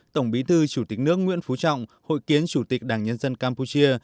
tổng bí thư chủ tịch nước nguyễn phú trọng hội kiến chủ tịch đảng nhân dân campuchia